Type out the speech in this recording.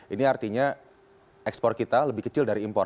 ini artinya ekspor kita lebih kecil dari impor